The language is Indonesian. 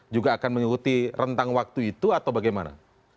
juga akan mengikuti rentang waktu itu atau bagaimana